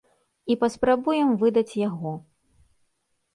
І паспрабуем выдаць яго.